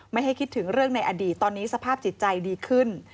ไม่ให้คิดถึงเรื่องในอดีตตอนนี้สภาพจิตใจดีขึ้น